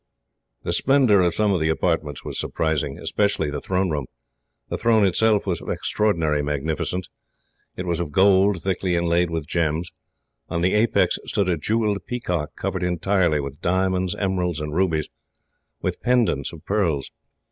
The splendour of some of the apartments was surprising, especially the throne room. The throne itself was of extraordinary magnificence. It was of gold, thickly inlaid with gems. On the apex stood a jewelled peacock, covered entirely with diamonds, emeralds, and rubies, with pendants of pearls.